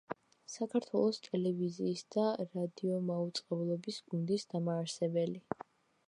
საქართველოს ტელევიზიის და რადიომაუწყებლობის გუნდის დამაარსებელი.